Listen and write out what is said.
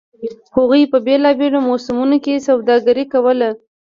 هغوی په بېلابېلو موسمونو کې سوداګري کوله